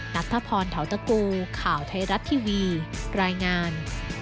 นัทธพรเทาตะกูข่าวไทยรัฐทีวีรายงาน